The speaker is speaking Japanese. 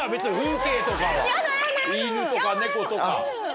犬とか猫とか。